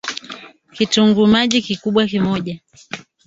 Kitunguu maji Kikubwa moja